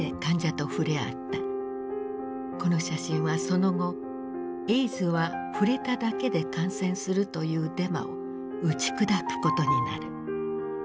この写真はその後「エイズは触れただけで感染する」というデマを打ち砕くことになる。